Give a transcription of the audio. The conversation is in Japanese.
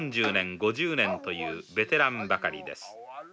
４０年５０年というベテランばかりです。